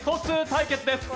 対決です。